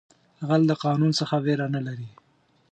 غل د قانون څخه ویره نه لري